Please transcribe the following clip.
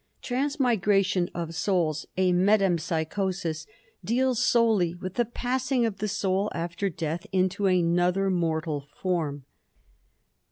Transmigration of souls, a metempsychosis, deals solely with the passing of the soul after death into another mortal form.